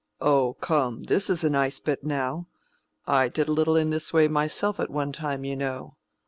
"Oh, come, this is a nice bit, now. I did a little in this way myself at one time, you know.